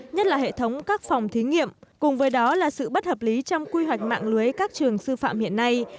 nhất là hệ thống các phòng thí nghiệm cùng với đó là sự bất hợp lý trong quy hoạch mạng lưới các trường sư phạm hiện nay